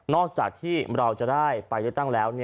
นอกจากที่เราจะได้ไปได้ตั้งแล้ว